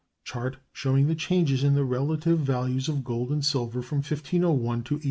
Chart showing the Changes in the Relative Values of Gold and Silver from 1501 to 1880.